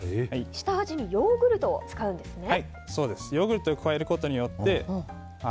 下味にヨーグルトを使うんですね。